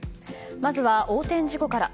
まずは横転事故から。